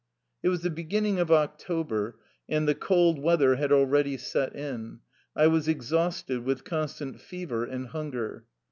It was the beginning of October, and the cold weather had already set in. I was exhausted with constant fever and hunger.